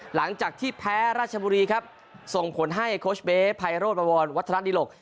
หลังจากที่แพ้ราชบุรีครับส่งผลให้โค้ชเบ๊ภายโรศประวัติวัฒนาศนีรกษ์